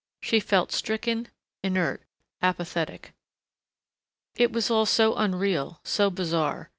She felt stricken, inert, apathetic. It was all so unreal, so bizarre.